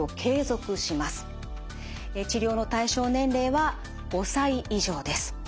治療の対象年齢は５歳以上です。